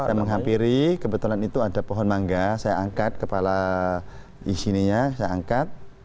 saya menghampiri kebetulan itu ada pohon mangga saya angkat kepala di sininya saya angkat